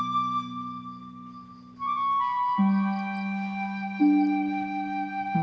neng mah kayak gini